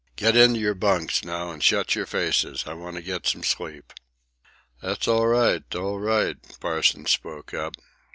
Get into yer bunks, now, and shut yer faces; I want to get some sleep." "That's all right all right," Parsons spoke up.